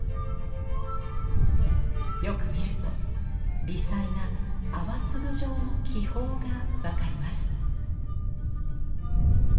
よく見ると微細な泡粒状の気泡が分かります。